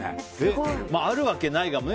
あるわけないがね